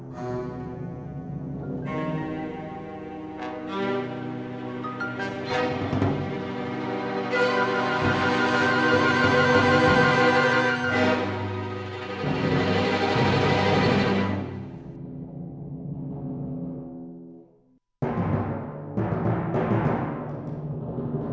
kamu tidak akan pernah mengecewakan ibu